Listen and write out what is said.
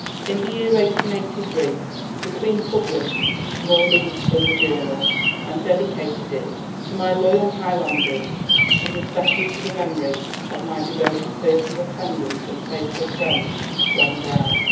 In the year 1883 the Queen published More Leaves from the Journal, and dedicated it "To my loyal Highlanders, and especially to the memory of my devoted personal attendant and faithful friend, John Brown."